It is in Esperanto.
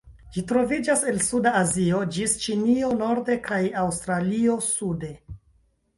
Ĝi troviĝas el suda Azio, ĝis Ĉinio norde kaj Aŭstralio sude.